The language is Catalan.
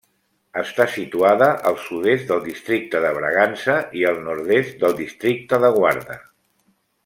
Està situada al sud-est del districte de Bragança i el nord-est del districte de Guarda.